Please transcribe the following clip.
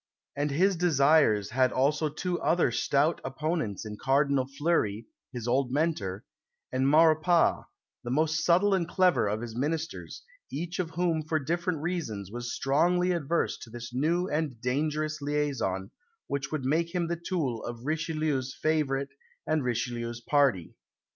And his desires had also two other stout opponents in Cardinal Fleury, his old mentor, and Maurepas, the most subtle and clever of his ministers, each of whom for different reasons was strongly averse to this new and dangerous liaison, which would make him the tool of Richelieu's favourite and Richelieu's party.